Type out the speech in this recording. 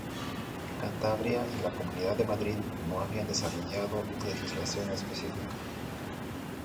Cantabria y la Comunidad de Madrid no habían desarrollado legislación específica.